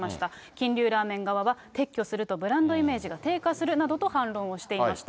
金龍ラーメン側は、撤去すると、ブランドイメージが低下すると反論をしていました。